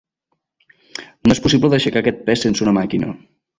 No és possible d'aixecar aquest pes sense una màquina.